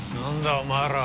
お前らは。